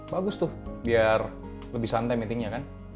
bagus tuh biar lebih santai meetingnya kan